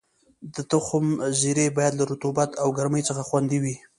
د تخم زېرمې باید له رطوبت او ګرمۍ څخه خوندي وي.